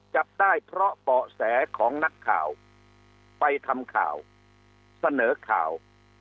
จับได้เพราะเบาะแสของนักข่าวไปทำข่าวเสนอข่าว